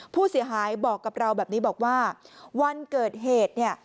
ผู้เสียหายบอกกับเราแบบนี้บอกว่าวันเกิดเหตุเนี่ย